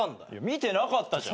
見てなかったじゃん。